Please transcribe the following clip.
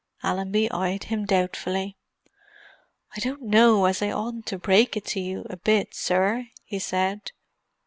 Allenby eyed him doubtfully. "I don't know as I oughtn't to break it to you a bit, sir," he said.